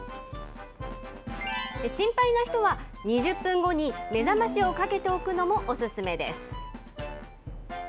心配な人は、２０分後に目覚ましをかけておくのもお勧めです。